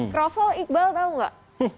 kroffel iqbal tau gak